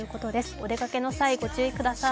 お出かけの際、ご注意ください。